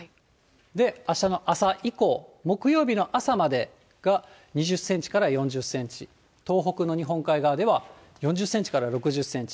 で、あしたの朝以降、木曜日の朝までが２０センチから４０センチ、東北の日本海側では４０センチから６０センチ。